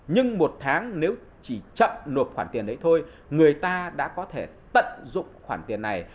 nhưng một tháng nếu chỉ chậm nộp khoản tiền đấy thôi người ta đã có thể tận dụng khoản tiền này